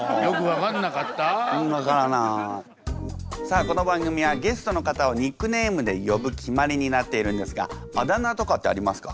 さあこの番組はゲストの方をニックネームで呼ぶ決まりになっているんですがあだ名とかってありますか？